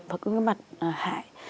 và cái mặt hại